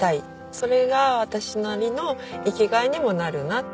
それが私なりの生きがいにもなるな。